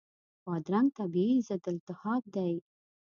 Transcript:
بادرنګ طبیعي ضد التهاب دی.